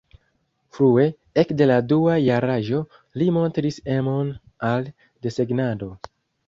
Frue, ekde la dua jaraĝo li montris emon al desegnado.